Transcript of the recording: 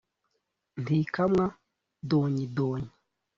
ntikamwa donyi donyi